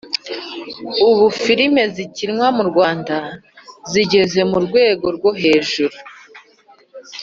ubu filime zikinywa murwanda zigeze kurwego rwo hejuru